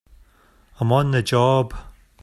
I'm on the job!